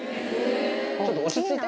ちょっと落ち着いて。